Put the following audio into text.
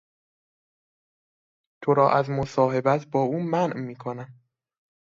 تو را از مصاحبت با او منع میکنم.